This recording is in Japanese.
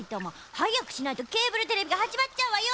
はやくしないとケーブルテレビがはじまっちゃうわよ。